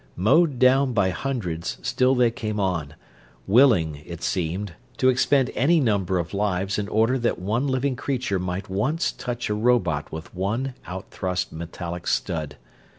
Mowed down by hundreds, still they came on; willing, it seemed to expend any number of lives in order that one living creature might once touch a robot with one out thrust metallic stud.